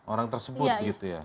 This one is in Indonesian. orang tersebut gitu ya